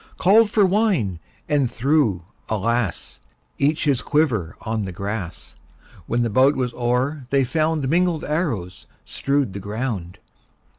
Called for wine, and threw — alas! — Each his quiver on the grass. When the bout was o'er they found Mingled arrows strewed the ground.